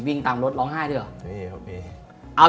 วิ่งตามรถร้องไห้ด้วยเหรอ